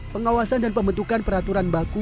pengawasan dan pembentukan peraturan baku